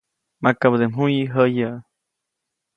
Makabäde mjuyi jäyäʼ.